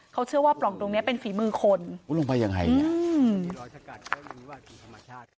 เขาเชื่อว่าปล่องตรงเนี้ยเป็นฝีมือคนลงไปยังไงธรรมชาติ